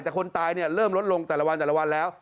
แต่คนตายเริ่มลดลงแต่ละวันแล้ว